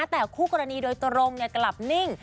แต่คู่กรณีโดยตรงกลับนิ่ง